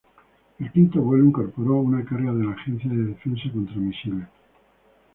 El quinto vuelo incorporó una carga de la Agencia de Defensa contra Misiles.